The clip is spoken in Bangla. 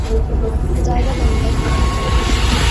জায়গা দেন, ভাই!